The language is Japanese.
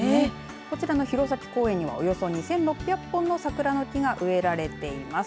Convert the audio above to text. こちらの弘前公園にはおよそ２６００本の桜の木が植えられています。